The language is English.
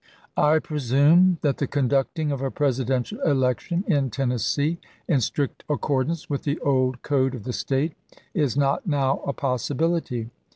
I presume that the conducting of a Presidential election in Tennessee in strict accordance with the old code of the State is not now a possibility.